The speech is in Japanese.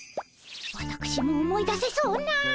わたくしも思い出せそうな。